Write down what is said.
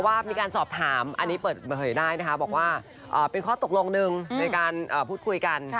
ว่ามีการสอบถามอันนี้เปิดเผยได้นะคะบอกว่าเป็นข้อตกลงหนึ่งในการพูดคุยกัน